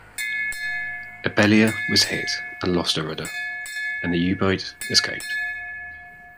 "Abelia" was hit and lost her rudder, and the U-boat escaped.